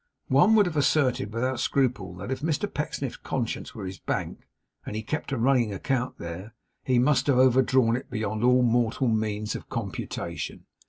One would have asserted without scruple that if Mr Pecksniff's conscience were his bank, and he kept a running account there, he must have overdrawn it beyond all mortal means of computation.